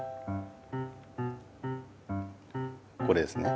これですね。